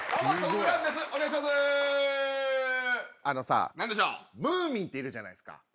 あのさムーミンっているじゃないですか。